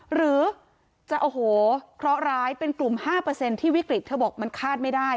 หรือจะโอ้โหเคราะห์ร้ายเป็นกลุ่ม๕ที่วิกฤตเธอบอกมันคาดไม่ได้